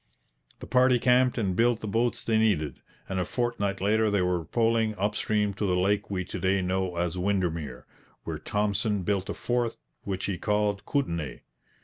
The party camped and built the boats they needed, and a fortnight later they were poling up stream to the lake we to day know as Windermere, where Thompson built a fort which he called 'Kootenai.'